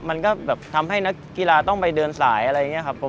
มันก็แบบทำให้นักกีฬาต้องไปเดินสายอะไรอย่างนี้ครับผม